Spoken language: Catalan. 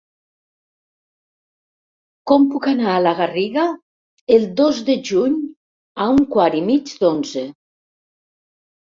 Com puc anar a la Garriga el dos de juny a un quart i mig d'onze?